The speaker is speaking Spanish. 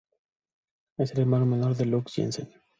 Es el hermano menor de Luke Jensen.